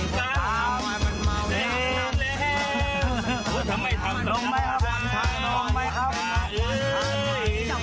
ฟังมันหลุ่งข้างบนไม่เห็น